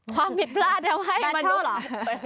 ความผิดพลาดทำให้มนุษย์